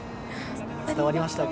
伝わりましたか？